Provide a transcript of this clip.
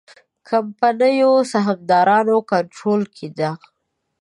کمپنیو سهامدارانو کنټرول کې ده.